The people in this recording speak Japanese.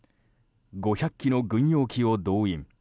５００機の軍用機を動員。